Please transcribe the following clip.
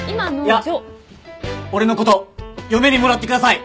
いや俺のこと嫁にもらってください！